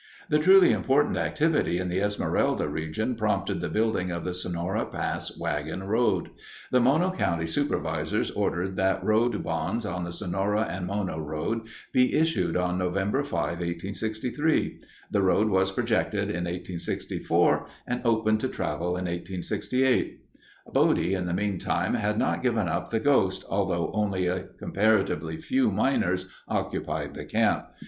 The truly important activity in the Esmeralda region prompted the building of the Sonora Pass wagon road. The Mono County supervisors ordered that road bonds on the "Sonora and Mono road" be issued on November 5, 1863. The road was projected in 1864 and opened to travel in 1868. Bodie, in the meantime, had not given up the ghost, although only a comparatively few miners occupied the camp.